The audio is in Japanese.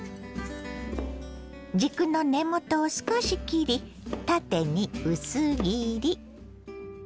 軸の根元を少し切り縦に薄切り。